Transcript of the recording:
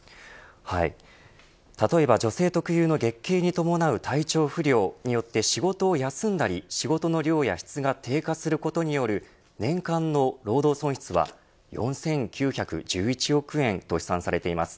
例えば、女性特有の月経に伴う体調不良によって仕事を休んだり、仕事の量や質が低下することによる年間の労働損失は４９１１億円と試算されています。